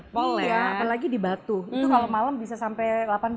apalagi di batu itu kalau malam bisa sampai delapan belas